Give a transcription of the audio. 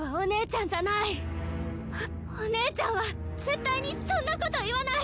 お姉ちゃんは絶対にそんなこと言わない。